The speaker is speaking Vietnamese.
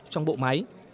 trong bộ máy